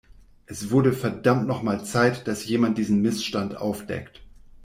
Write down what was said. Es wurde verdammt noch mal Zeit, dass jemand diesen Missstand aufdeckt.